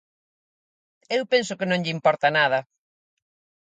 Eu penso que non lle importa nada.